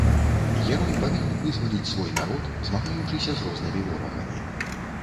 Герой павінен вызваліць свой народ, змагаючыся з рознымі ворагамі.